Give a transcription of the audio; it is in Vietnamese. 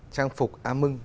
trang phục a mưng